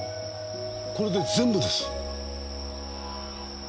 これで全部です。